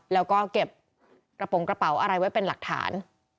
แล้วก็เก็บกระโปรงกระเป๋าอะไรไว้เป็นหลักฐาน